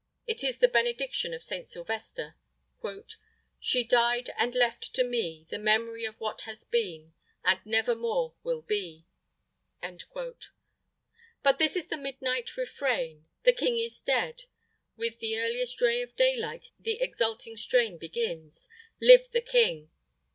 It is the benediction of Saint Sylvester: "She died and left to me ... The memory of what has been, And nevermore will be." But this is the midnight refrain The King is dead! With the earliest ray of daylight the exulting strain begins Live the King!